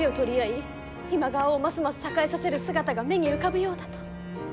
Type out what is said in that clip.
今川をますます栄えさせる姿が目に浮かぶようだと。